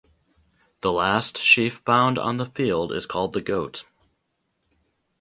The last sheaf bound on the field is called the Goat.